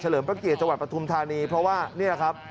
เฉลิมประเกียจวัตรปฐมธานีเพราะว่านี่แหละครับ